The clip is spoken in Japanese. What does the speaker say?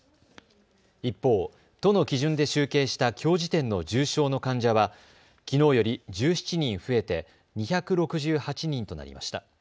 一方、都の基準で集計したきょう時点の重症の患者はきのうより１７人増えて２６８人となりました。